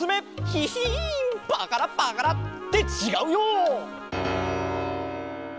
ヒヒンパカラパカラッ。ってちがうよ！